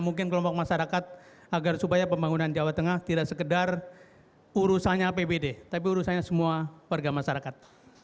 mungkin kelompok masyarakat agar supaya pembangunan jawa tengah tidak sekedar urusannya apbd tapi urusannya semua warga masyarakat